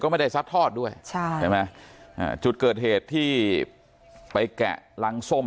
ไม่ได้ซัดทอดด้วยใช่ใช่ไหมอ่าจุดเกิดเหตุที่ไปแกะรังส้ม